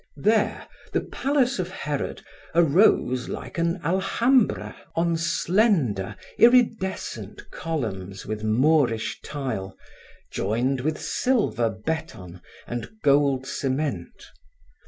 There, the palace of Herod arose like an Alhambra on slender, iridescent columns with moorish tile, joined with silver beton and gold cement.